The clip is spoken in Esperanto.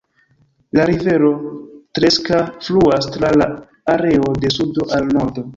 La rivero Treska fluas tra la areo de sudo al nordo.